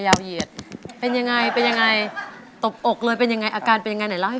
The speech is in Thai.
อย่างเช่นก็ชม